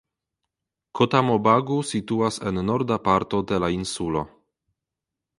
Kotamobagu situas en norda parto de la insulo.